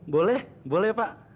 boleh boleh pak